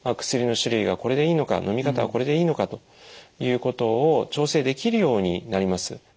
薬の種類はこれでいいのかのみ方はこれでいいのかということを調整できるようになります。